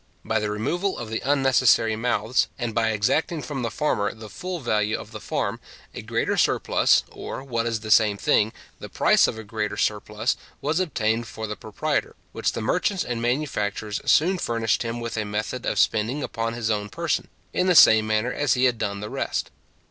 By the removal of the unnecessary mouths, and by exacting from the farmer the full value of the farm, a greater surplus, or, what is the same thing, the price of a greater surplus, was obtained for the proprietor, which the merchants and manufacturers soon furnished him with a method of spending upon his own person, in the same manner as he had done the rest.